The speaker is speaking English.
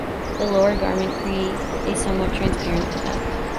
The lower garment create a somewhat transparent effect.